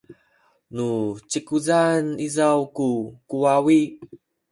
nu zikuzan izaw ku kuwawi